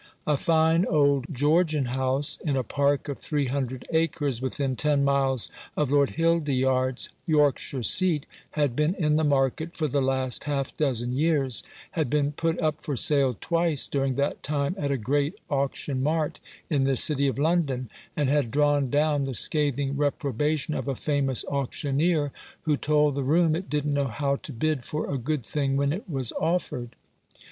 A fine old Georgian house in a park of three hundred acres, within ten miles of Lord Hildyard's Yorkshire seat, had been in the market for the last half dozen years, had been put up for sale twice during that time at a great auction mart in the city of London, and had drawn down the scathing reprobation of a famous auctioneer, who told the room it didn't know how to bid for a good thing when it was offered.